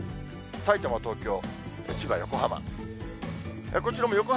さいたま、東京、千葉、横浜。